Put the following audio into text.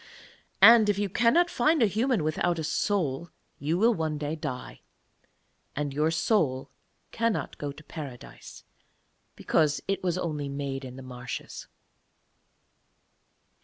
And if you cannot find a human without a soul you will one day die, and your soul cannot go to Paradise, because it was only made in the marshes.'